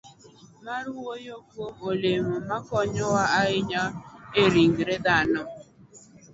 mar wuoyo kuom olemo makonyowa ahinya e ringre dhano,